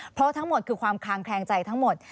เพราะทั้งหมดคือความคางแคลงใจทั้งหมด